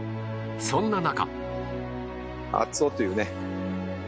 そんな中。